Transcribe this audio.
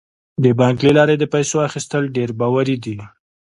د بانک له لارې د پیسو اخیستل ډیر باوري دي.